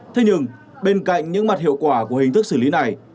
thế nhưng bên cạnh những mặt hiệu quả của hình thức xử lý này